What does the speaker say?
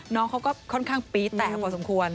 น้องเขาก็ค่อนข้างปี๊ดแตกพอสมควร